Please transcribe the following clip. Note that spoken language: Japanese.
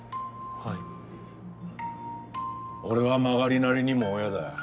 俺は曲がりなりにも親だ。